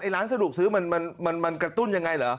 ร้านสะดวกซื้อมันกระตุ้นยังไงเหรอ